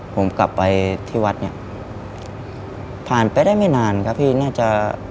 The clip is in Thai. ผมกลับไปที่วัดเนี่ยผ่านไปได้ไม่นานครับพี่น่าจะ